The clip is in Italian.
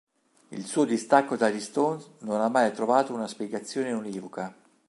Il suo distacco dagli Stones non ha mai trovato una spiegazione univoca.